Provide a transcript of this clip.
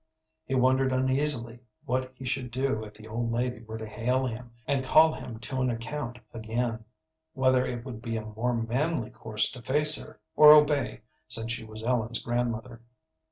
He wondered uneasily what he should do if the old lady were to hail him and call him to an account again, whether it would be a more manly course to face her, or obey, since she was Ellen's grandmother.